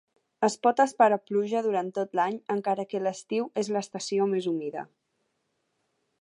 Es pot esperar pluja durant tot l'any encara que l'estiu és l'estació més humida.